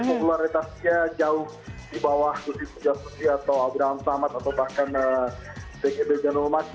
popularitasnya jauh di bawah rusi buja sudi atau abraham samad atau bahkan tgp jernumat